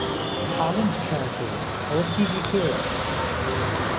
حالیم پکه ئهتۆ ئەوه کیژی کێیه